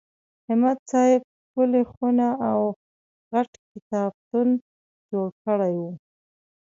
همت صاحب ښکلې خونې او غټ کتابتون جوړ کړی و.